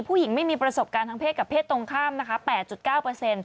ผู้หญิงไม่มีประสบการณ์ทางเพศกับเพศตรงข้ามนะคะ๘๙